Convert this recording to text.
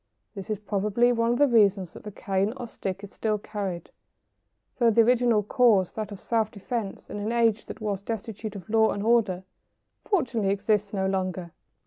This is probably one of the reasons that the cane or stick is still carried, though the original cause, that of self defence in an age that was destitute of law and order, fortunately exists no longer.